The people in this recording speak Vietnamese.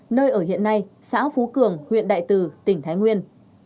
nơi ở hiện nay xã phú cường huyện đại từ tỉnh thái nguyên